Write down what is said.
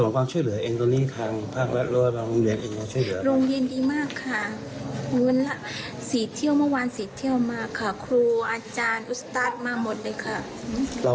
เมื่อวันนำใจเยอะมากค่ะ